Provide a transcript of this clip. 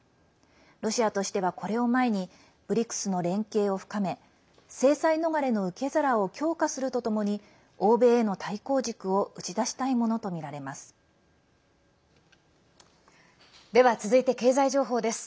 ロシアとしては、これを前にＢＲＩＣＳの連携を深め制裁逃れの受け皿を強化するとともに欧米への対抗軸を打ち出したいものとみられます。